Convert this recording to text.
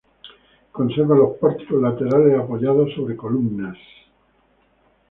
Conserva los pórticos laterales apoyados sobre columnas.